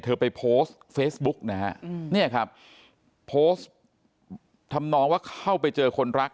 ไปโพสต์เฟซบุ๊กนะฮะเนี่ยครับโพสต์ทำนองว่าเข้าไปเจอคนรัก